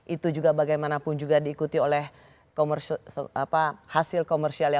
itu juga bagaimanapun juga diikuti oleh hasil komersialnya